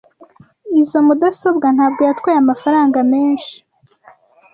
Izoi mudasobwa ntabwo yatwaye amafaranga menshi.